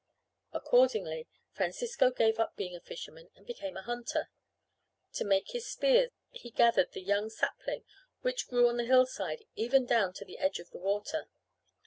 Accordingly, Francisco gave up being a fisherman and became a hunter. To make his spears, he gathered the young sapling which grew on the hillside even down to the edge of the water.